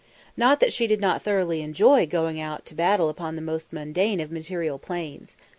Not that she did not thoroughly enjoy going out to battle upon the most mundane of material planes.